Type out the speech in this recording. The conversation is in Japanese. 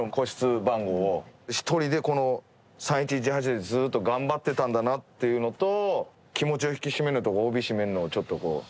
１人でこの「三一一八」でずっと頑張ってたんだなっていうのと気持ちを引き締めるのと帯締めるのをちょっとこう。